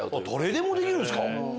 誰でもできるんですか！